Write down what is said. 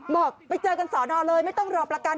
บอกไปเจอกันสอนอเลยไม่ต้องรอประกัน